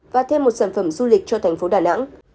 và thêm một sản phẩm du lịch cho thành phố đà nẵng